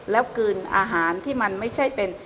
แล้วกลืนอาหารที่มันไม่ใช่เป็น